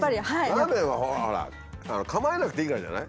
ラーメンはほら構えなくていいからじゃない？